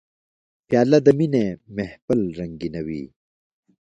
پیاله د مینې محفل رنګینوي.